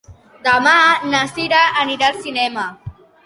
Demà na Sira anirà al cinema.